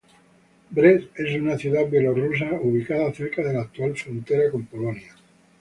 Brest es una ciudad bielorrusa ubicada cerca de la actual frontera con Polonia.